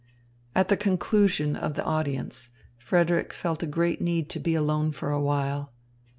At the conclusion of the audience, Frederick felt a great need to be alone for a while.